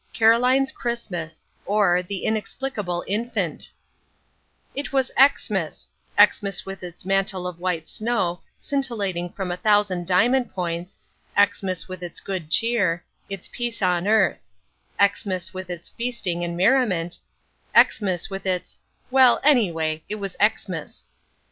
Caroline's Christmas: or, The Inexplicable Infant It was Xmas—Xmas with its mantle of white snow, scintillating from a thousand diamond points, Xmas with its good cheer, its peace on earth—Xmas with its feasting and merriment, Xmas with its—well, anyway, it was Xmas.